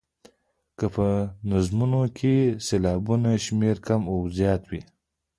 که په نظمونو کې د سېلابونو شمېر کم او زیات وي.